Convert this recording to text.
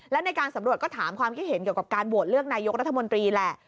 และในการสำรวจก็ถามความคิดเห็นเกี่ยวกับการโหวตเลือกนายกรัฐมนตรีแหละ